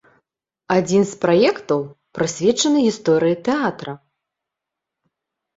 Адзін з праектаў прысвечаны гісторыі тэатра.